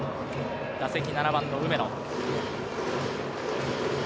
打席、７番の梅野。